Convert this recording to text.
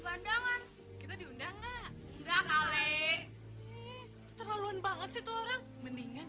bandangan kita diundang nggak nggak kali terlaluan banget sih orang mendingan